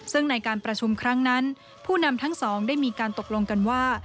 ซึ่งในการประชุมครั้งนั้นผู้นำทั้งสองได้มีการตกลงกันว่า